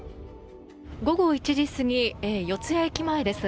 午後１時過ぎ四ツ谷駅前です。